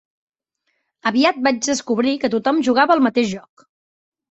Aviat vaig descobrir que tothom jugava al mateix joc.